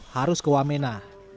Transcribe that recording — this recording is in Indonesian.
harus ke wamena